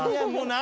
何？